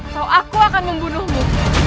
atau aku akan membunuhmu